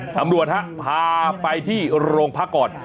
ทำรวจฮะพาไปที่โรงพระเกิด